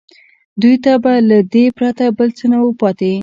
دوی ته له دې پرته بل څه نه وو پاتې